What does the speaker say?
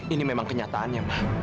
ini memang kenyataannya ma